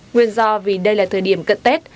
nguyên do vì đây là thời điểm cận tết